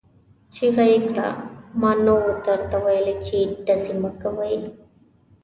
چيغه يې کړه! ما نه وو درته ويلي چې ډزې مه کوئ!